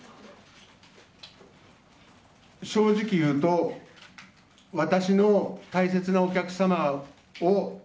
正直言うと私の大切なお客様を。